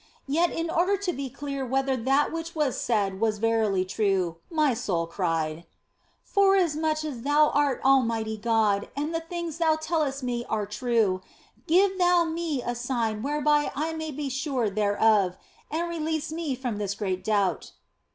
Yet in order to be clear whether that which was said was verily true, my soul cried :" Forasmuch as Thou art Almighty God and the things Thou tellest me are true, give Thou me a sign whereby I may be sure thereof, and release me from this great doubt."